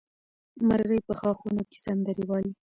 مرغۍ په ښاخونو کې سندرې وایي.